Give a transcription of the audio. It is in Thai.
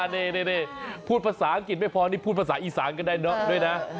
นี่พูดภาษาอังกฤษไม่พอนี่พูดภาษาอีสานก็ได้เนอะด้วยนะ